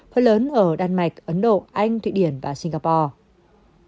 phần lớn ở đan mạch ấn độ anh thụy điển và singapore